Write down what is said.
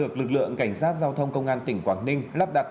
cảnh sát giao thông công an tỉnh quảng ninh